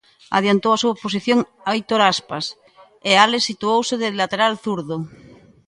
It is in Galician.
Adiantou a súa posición Aitor Aspas e Álex situouse de lateral zurdo.